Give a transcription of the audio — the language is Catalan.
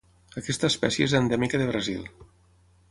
Aquesta espècie és endèmica de Brasil.